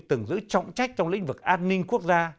từng giữ trọng trách trong lĩnh vực an ninh quốc gia